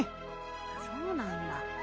そうなんだ。